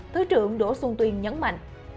thứ trưởng đỗ xuân tuyên nhấn mạnh